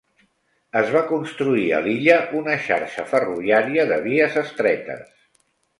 Es va construir a l'illa una xarxa ferroviària de vies estretes.